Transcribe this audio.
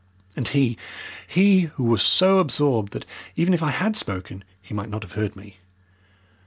And he he was so absorbed that even if I had spoken he might not have heard me.